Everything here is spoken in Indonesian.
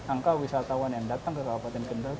angka wisatawan yang datang ke kabupaten kendal